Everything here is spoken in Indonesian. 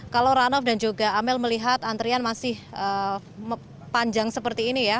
kalau ranof dan juga amel melihat antrian masih panjang seperti ini ya